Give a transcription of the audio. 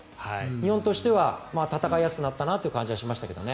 日本としては戦いやすくなったという感じはしましたけどね。